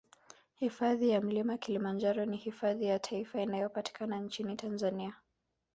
Hifadhi ya Mlima Kilimanjaro ni hifadhi ya taifa inayopatikana nchini Tanzania